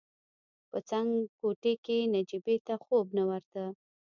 په څنګ کوټې کې نجيبې ته خوب نه ورته.